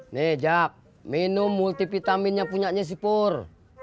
nih jak minum multivitamin yang punya si pur